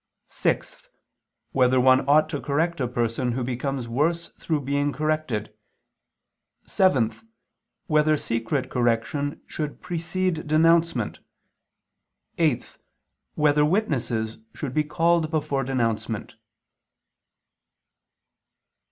(6) Whether one ought to correct a person who becomes worse through being corrected? (7) Whether secret correction should precede denouncement? (8) Whether witnesses should be called before denouncement?